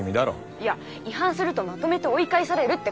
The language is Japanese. いや「違反するとまとめて追い返される」って書いてあります。